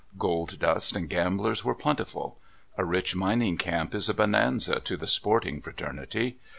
Gold dust and gamblers were plentiful. A rich mining camp is a bonanza to the sporting fraterni ty.